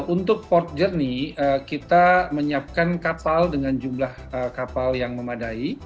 untuk port journey kita menyiapkan kapal dengan jumlah kapal yang memadai